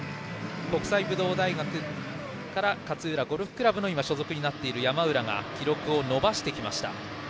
国際武道大学から勝浦ゴルフ倶楽部の所属になっている山浦が記録を伸ばしてきました。